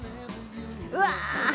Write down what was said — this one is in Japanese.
うわ！